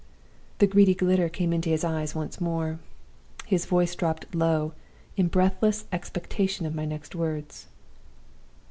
"The greedy glitter came into his eyes once more. His voice dropped low, in breathless expectation of my next words.